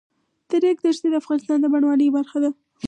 د ریګ دښتې د افغانستان د بڼوالۍ برخه ده.